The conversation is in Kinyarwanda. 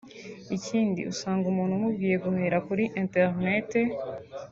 Ikindi usanga umuntu umubwiye guhahira kuri internet